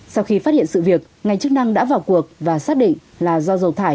sau khi phát hiện sự việc ngành chức năng đã vào cuộc và xác định là do dầu thải